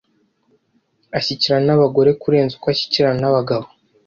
Ashyikirana n’abagore kurenza uko ashyikirana n’abagabo